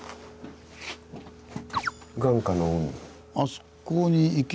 眼下の海。